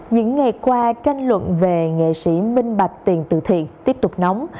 những ngày qua tranh luận về nghệ sĩ minh bạch tiền tự thiện tiếp tục nóng